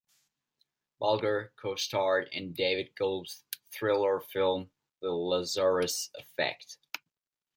Bolger co-starred in David Gelb's thriller film "The Lazarus Effect".